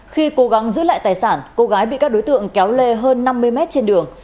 khi cố gắng giữ lại tài sản cô gái bị các đối tượng kéo lê hơn năm mươi mét trên đường